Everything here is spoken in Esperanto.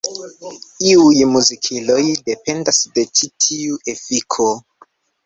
Iuj muzikiloj dependas de ĉi tiu efiko.